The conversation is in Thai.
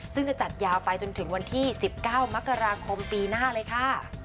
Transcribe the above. ซึ่งจะจัดยาวไปจนถึงวันที่๑๙มกราคมปีหน้าเลยค่ะ